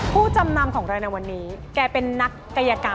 ผู้จำนำของเราในวันนี้แกเป็นนักกายกรรม